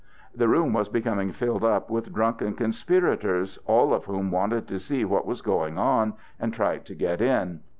The room was becoming filled up with drunken conspirators, all of whom wanted to see what was going on, and tried to get in.